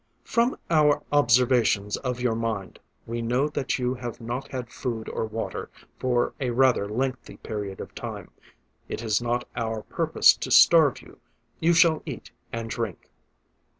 "From our observations of your mind, we know that you have not had food or water for a rather lengthy period of time. It is not our purpose to starve you: you shall eat and drink."